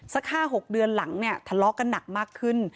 สัก๕๖เดือนหลังเนี่ยทะเลาะกันหนักมากขึ้น